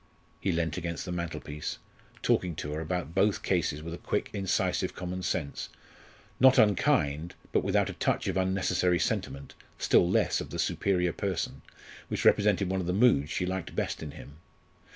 He leant against the mantelpiece, talking to her about both cases with a quick incisive common sense not unkind, but without a touch of unnecessary sentiment, still less of the superior person which represented one of the moods she liked best in him.